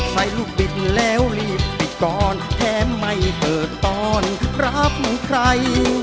ใส่ลูกบิดแล้วรีบไปก่อนแท้ไม่เผิดตอนรับใคร